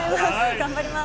頑張ります。